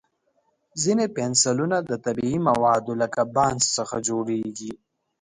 ځینې پنسلونه د طبیعي موادو لکه بانس څخه جوړېږي.